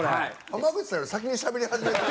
濱口さんより先にしゃべり始める。